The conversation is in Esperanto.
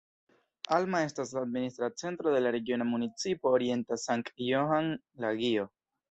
Alma estas la administra centro de la Regiona Municipo Orienta Sankt-Johan-Lagio.